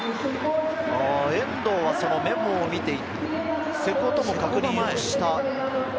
遠藤はメモを見て、瀬古とも確認した。